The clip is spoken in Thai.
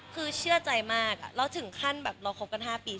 คือเชื่อใจมากแล้วถึงขั้นแบบเราคบกัน๕ปี